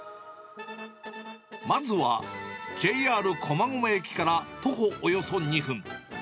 まずは、ＪＲ駒込駅から徒歩およそ２分。